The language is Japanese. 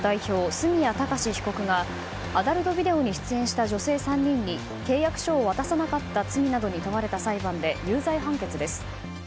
角谷貴史被告がアダルトビデオに出演した女性３人に契約書を渡さなかった罪などに問われた裁判で、有罪判決です。